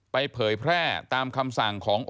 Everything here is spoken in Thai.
เผยแพร่ตามคำสั่งของ